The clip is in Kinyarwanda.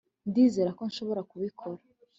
ndizera ko nshobora kubikora